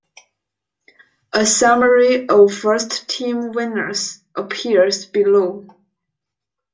A summary of first team winners appears below.